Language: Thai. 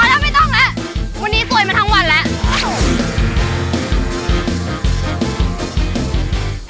แล้วไม่ต้องแล้ววันนี้สวยมาทั้งวันแล้ว